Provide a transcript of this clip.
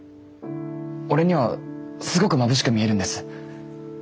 俺にはすごくまぶしく見えるんです。